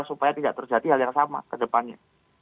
supaya tidak terjadi hal yang sama ke depannya